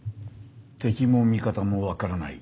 敵も味方も分からない。